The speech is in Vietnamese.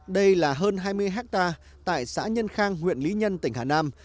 đây là hơn hai mươi hectare tại xã nhân khang huyện lý nhân tỉnh hà nam